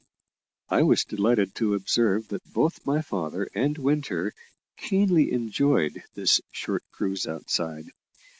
I was delighted to observe that both my father and Winter keenly enjoyed this short cruise outside.